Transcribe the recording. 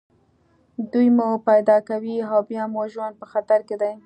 دوی مو پیدا کوي او بیا مو ژوند په خطر کې دی